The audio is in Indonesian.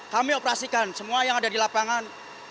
kami operasikan semua yang ada di lapangan